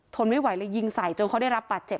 ไม่ไหวเลยยิงใส่จนเขาได้รับบาดเจ็บ